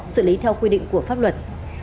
xử lý theo quy định của pháp luật